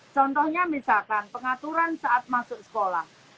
contohnya misalkan pengaturan saat masuk sekolah